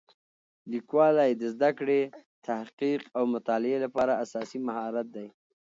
لیکوالی د زده کړې، تحقیق او مطالعې لپاره اساسي مهارت دی.